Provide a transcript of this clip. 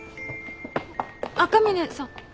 赤嶺さん。